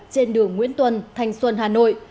trên đường nguyễn tuân thành xuân hà nội